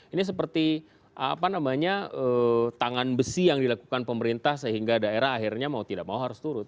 ini seperti apa namanya tangan besi yang dilakukan pemerintah sehingga daerah akhirnya mau tidak mau harus turut